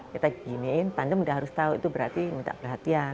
kita giniin pandemi udah harus tahu itu berarti minta perhatian